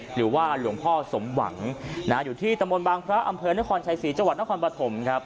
หรือว่าหลวงพ่อสมหวังอยู่ที่ตะมนต์บางพระอำเภอนครชัยสี่จนครบาถม